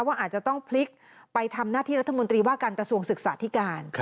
อาจจะต้องพลิกไปทำหน้าที่รัฐมนตรีว่าการกระทรวงศึกษาธิการ